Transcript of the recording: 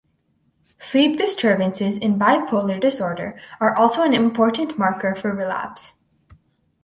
Sleep disturbances in bipolar disorder are also an important marker for relapse.